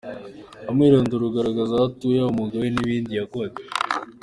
Umwirondoro ugaragaza Aho Atuye, umwuga we n’imirimo yakoze